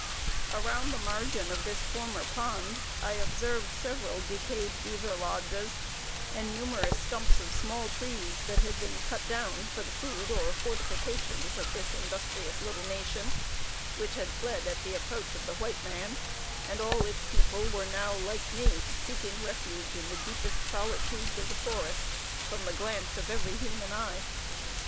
Around the margin of this former pond, I observed several decayed beaver lodges, and numerous stumps of small trees, that had been cut down for the food or fortifications of this industrious little nation, which had fled at the approach of the white man, and all its people were now, like me, seeking refuge in the deepest solitudes of the forest, from the glance of every human eye.